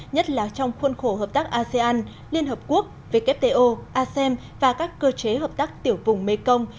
nhất là trong khuôn khổ hợp tác asean liên hợp quốc wto asem và các cơ chế hợp tác tiểu vùng mekong